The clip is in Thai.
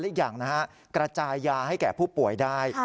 อีกอย่างนะฮะกระจายยาให้แก่ผู้ป่วยได้